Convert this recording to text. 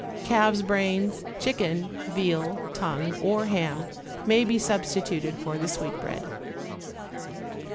Calf's brains, chicken, veal, tongue or ham may be substituted for the sweetbread.